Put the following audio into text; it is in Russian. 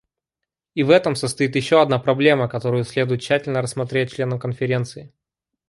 И в этом состоит еще одна проблема, которую следует тщательно рассмотреть членам Конференции.